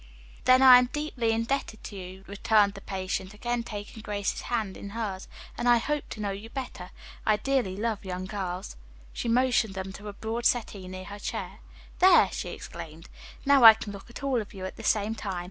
"Then I am deeply indebted to you," returned the patient, again taking Grace's hand in hers, "and I hope to know you better. I dearly love young girls." She motioned them to a broad settee near her chair. "There!" she exclaimed. "Now I can look at all of you at the same time.